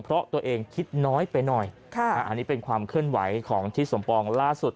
เพราะตัวเองคิดน้อยไปหน่อยค่ะอันนี้เป็นความเคลื่อนไหวของทิศสมปองล่าสุด